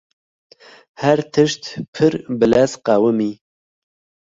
Her tişt pir bilez qewimî.